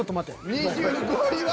２５位は。